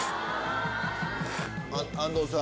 安藤さん。